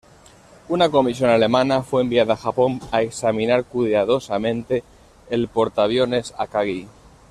Una comisión alemana fue enviada a Japón a examinar cuidadosamente el portaaviones Akagi.